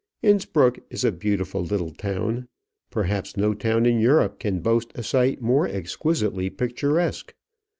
Innspruck is a beautiful little town. Perhaps no town in Europe can boast a site more exquisitely picturesque.